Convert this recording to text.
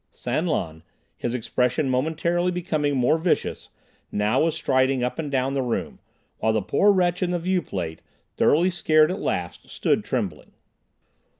San Lan, his expression momentarily becoming more vicious, now was striding up and down the room, while the poor wretch in the viewplate, thoroughly scared at last, stood trembling.